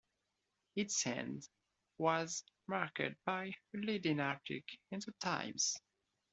Its end was marked by a leading article in "The Times".